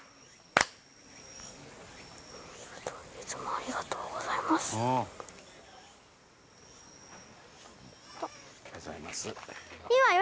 ありがとうございます。